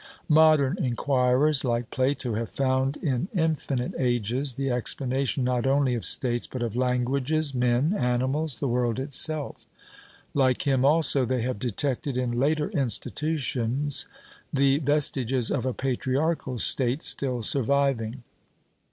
Modern enquirers, like Plato, have found in infinite ages the explanation not only of states, but of languages, men, animals, the world itself; like him, also, they have detected in later institutions the vestiges of a patriarchal state still surviving.